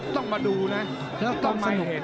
ต้องมาดูนะแล้วต้องมาเห็น